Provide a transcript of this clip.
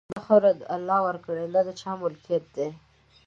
دا خاوره د الله ورکړه ده، نه د چا ملکیت.